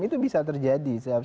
itu bisa terjadi